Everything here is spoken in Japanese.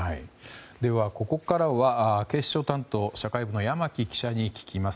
では、ここからは警視庁担当社会部の山木記者に聞きます。